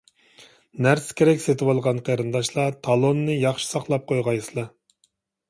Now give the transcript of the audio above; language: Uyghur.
نەرسە-كېرەك سېتىۋالغان قېرىنداشلار، تالوننى ياخشى ساقلاپ قويغايسىلەر.